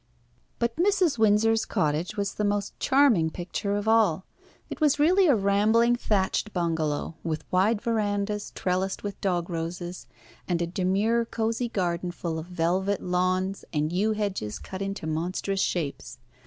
But Mrs. Windsor's cottage was the most charming picture of all. It was really a rambling thatched bungalow, with wide verandas trellised with dog roses, and a demure cosy garden full of velvet lawns and yew hedges cut into monstrous shapes.